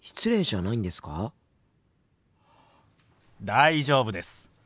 大丈夫です。